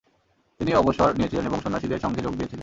তিনি অবসর নিয়েছিলেন এবং সন্ন্যাসিনীদের সংঘে যোগ দিয়েছিলেন।